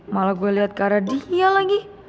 malah gue liat ke arah dia lagi